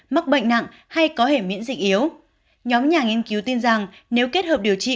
mắc bệnh nặng hay có hệ miễn dịch yếu nhóm nhà nghiên cứu tin rằng nếu kết hợp điều trị